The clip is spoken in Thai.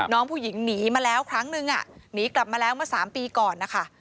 น้องผู้หญิงหนีมาแล้วครั้งนึงหนีกลับมาแล้วเมื่อ๓ปีก่อนนะคะ